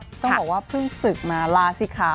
ต้องบอกว่าเพิ่งศึกมาลาศิคะ